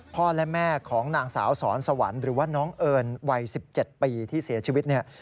พ่อและแม่ของนางสาวสอนสวรรค์หรือว่าน้องเอิญวัย๑๗ปีที่เสียชีวิตเนี่ย